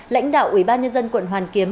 lãnh đạo ubnd quận hoàn kiếm